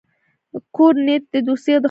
کوږ نیت د دوستۍ دښمني کوي